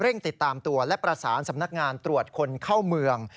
ติดตามตัวและประสานสำนักงานตรวจคนเข้าเมือง